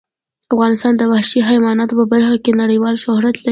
افغانستان د وحشي حیواناتو په برخه کې نړیوال شهرت لري.